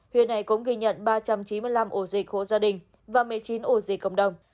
huyện này cũng ghi nhận ba trăm chín mươi năm ổ dịch hộ gia đình và một mươi chín ổ dịch cộng đồng